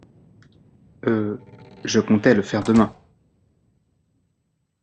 Euh, je comptais le faire demain...